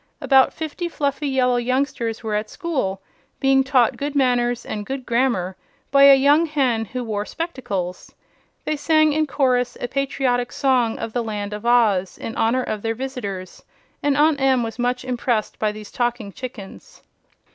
About fifty fluffy yellow youngsters were at school, being taught good manners and good grammar by a young hen who wore spectacles. They sang in chorus a patriotic song of the Land of Oz, in honor of their visitors, and Aunt Em was much impressed by these talking chickens.